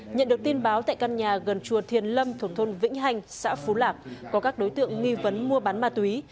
nhận được tin báo tại căn nhà gần chùa thiền lâm thuộc thôn vĩnh hành xã phú lạc có các đối tượng nghi vấn mua bán ma túy